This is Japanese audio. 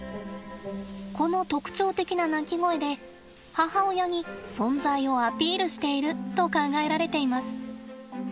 この特徴的な鳴き声で母親に存在をアピールしていると考えられています。